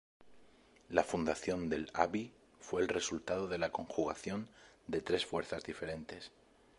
La fundación del Abbey fue el resultado de la conjugación de tres fuerzas diferentes.